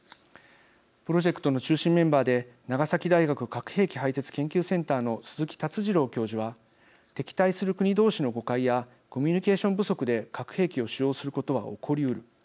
プロジェクトの中心メンバーで長崎大学核兵器廃絶研究センターの鈴木達治郎教授は「敵対する国同士の誤解やコミュニケーション不足で核兵器を使用することは起こりうる。